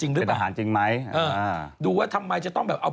หรือประหารจริงไหมเออดูว่าทำไมจะต้องแบบเอา